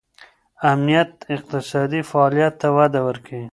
امنیت اقتصادي فعالیت ته وده ورکوي.